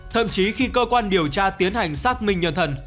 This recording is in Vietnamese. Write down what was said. thậm chí khi cơ quan điều tra tiến hành xác minh nhân thần